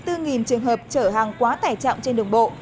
có hơn chín mươi bốn trường hợp chở hàng quá tải trọng trên đường bộ